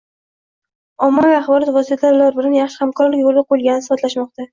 Oav bilan yaxshi hamkorlik yo‘lga qo‘yilganini isbotlashmoqda.